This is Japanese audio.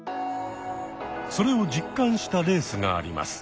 それを実感したレースがあります。